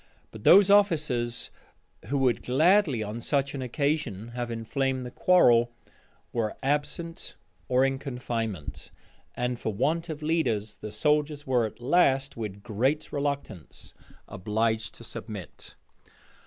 But those officers who would gladly on such an occasion have inflamed the quarrel, were absent or in confinement; and for want of leaders, the soldiers were at last, with great reluctance, obliged to submit.